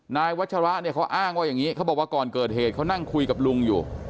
นายวัชระเนี่ยเขาอ้างว่าอย่างนี้เขาบอกว่าก่อนเกิดเหตุเขานั่งคุยกับลุงอยู่